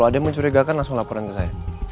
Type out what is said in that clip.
dia mencurigakan langsung laporan ke saya